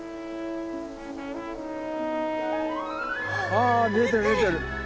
あ見えてる見えてる。